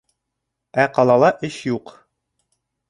Ә ҡалала эш юҡ!